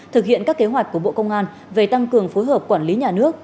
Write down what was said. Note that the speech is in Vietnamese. thực hiện các kế hoạch của bộ công an về tăng cường phối hợp quản lý nhà nước